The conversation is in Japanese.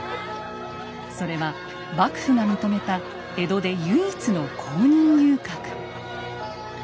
それは幕府が認めた江戸で唯一の公認遊郭。